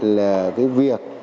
là cái việc